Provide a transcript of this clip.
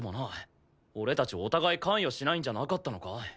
俺たちお互い関与しないんじゃなかったのか？